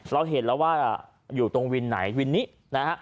เราเห็นแล้วว่าอยู่ตรงวินไหนวินนี้นะฮะ